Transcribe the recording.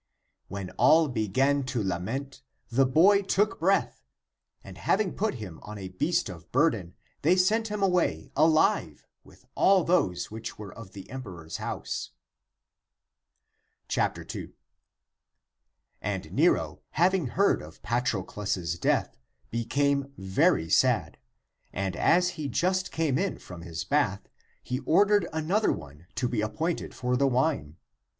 When all began to lament, the boy took breath ; and having put him on a beast of burden, they sent him away alive with all those which were of the em peror's house. 2. And Nero, having heard of Patroclus's death, became very sad, and as he just came in from his bath, he ordered another one to be appointed for the wine.